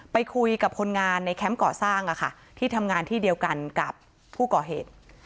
ไปคุยกับคนงานในแคมป์ก่อสร้างที่ทำงานที่เดียวกันกับผู้ก่อเหตุ